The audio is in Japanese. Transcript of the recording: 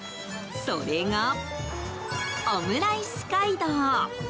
それが、オムライス街道。